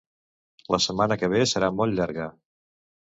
La setmana que ve serà molt llarga